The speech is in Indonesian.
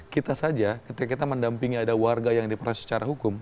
kita saja ketika kita mendampingi ada warga yang diproses secara hukum